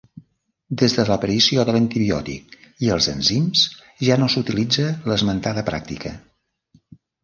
Des de l'aparició de l'antibiòtic i els enzims ja no s'utilitza l'esmentada pràctica.